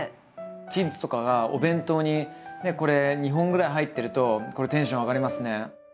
キッズとかがお弁当にねこれ２本ぐらい入ってるとこれテンション上がりますね。